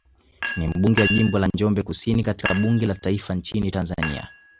Ni mbunge wa jimbo la Njombe Kusini katika bunge la taifa nchini Tanzania